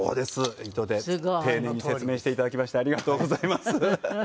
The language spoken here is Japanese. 丁寧に説明して頂きましてありがとうございます。